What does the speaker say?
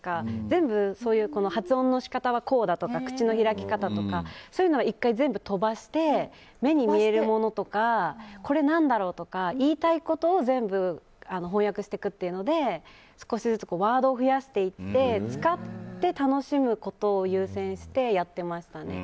全部そういう発音の仕方はこうだとか口の開き方とかそういうのは１回全部飛ばして目に見えるものとかこれ、何だろうとか言いたいことを全部、翻訳していくっていうので少しずつワードを増やしていって使って楽しむことを優先してやってましたね。